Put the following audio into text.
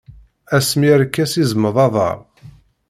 Asmi arkas izmeḍ aḍar.